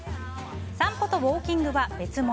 散歩とウォーキングは別物。